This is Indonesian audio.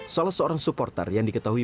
salah seorang supporter yang diketahui